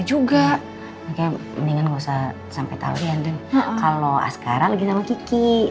juga kayaknya mendingan usah sampai tahu ya kalau sekarang lagi sama kiki